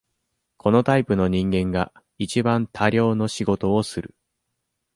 このタイプの人間が、一番多量の仕事をする。